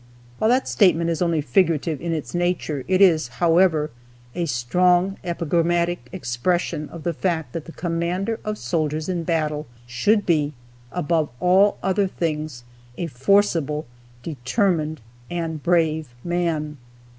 While that statement is only figurative in its nature, it is, however, a strong epigrammatic expression of the fact that the commander of soldiers in battle should be, above all other things, a forcible, determined, and brave man.